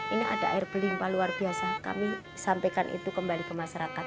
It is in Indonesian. ini ada air berlimpa luar biasa kami sampaikan itu kembali ke masyarakat